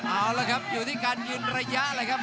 เอาละครับอยู่ที่การยืนระยะเลยครับ